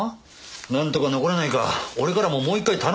なんとか残れないか俺からももう一回頼んでみるから。